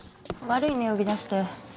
悪いね呼び出して。